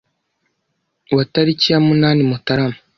wa tariki ya munani Mutarama